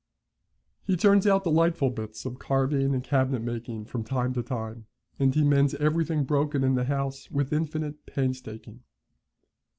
He turns out delightful bits of carving and cabinet making from time to time, and he mends everything broken in the house with infinite painstaking.